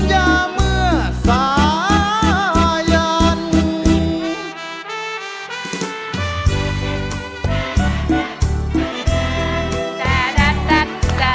ชวดชมวิมานที่ล้มลืมฟันยาเมื่อสายัน